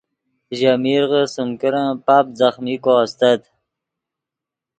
ژے میرغے سیم کرن پاپ ځخمیکو استت